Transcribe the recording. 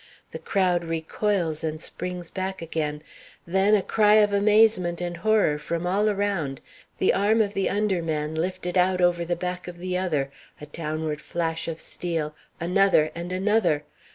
The crowd recoils and springs back again; then a cry of amazement and horror from all around, the arm of the under man lifted out over the back of the other, a downward flash of steel another and another!